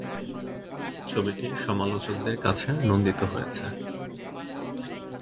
ছবিটি সমালোচকদের কাছে নন্দিত হয়েছে।